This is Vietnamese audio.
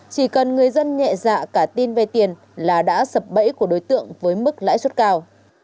chỉ cần người dân nhẹ dạ cả tin vay tiền là đã sập bẫy của đối tượng với mức lãi suất cao